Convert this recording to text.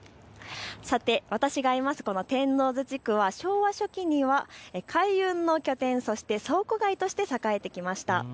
さて私がいるこの天王洲地区は昭和初期には海運の拠点、そして倉庫街として栄えてきました。